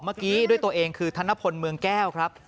เมื่อกี้ด้วยตัวเองคือธนพลเมืองแก้วครับ